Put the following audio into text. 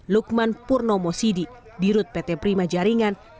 lukman purnomo sidi dirut pt prima jaringan